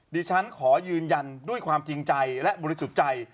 ดิฉันขอยืนยันด้วยความจริงใจและบริสุทธิ์ใจ